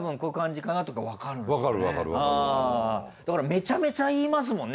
だからめちゃめちゃ言いますもんね